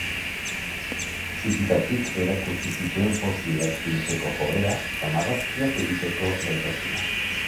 Txikitatik erakutsi zituen fosilak biltzeko joera eta marrazkiak egiteko gaitasuna.